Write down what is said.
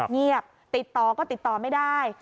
เงียบติดต่อก็ติดต่อไม่ได้